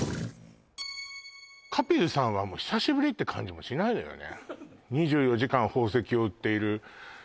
カピルさんはもう久しぶりって感じもしないのよね